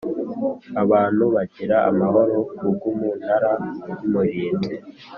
abantu bagira amahoro kubw’Umunara w’umurinzi